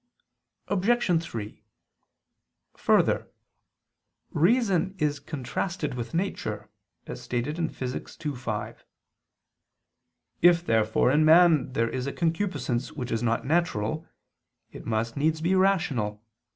Obj. 3: Further, reason is contrasted with nature, as stated in Phys. ii, 5. If therefore in man there is a concupiscence which is not natural, it must needs be rational.